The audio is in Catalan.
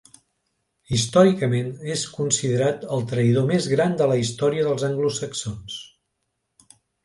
Històricament és considerat el traïdor més gran de la història dels anglosaxons.